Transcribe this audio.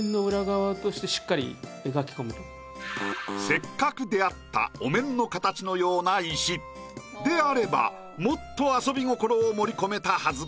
せっかく出会ったお面の形のような石。であればもっと「遊び心」を盛り込めたはず。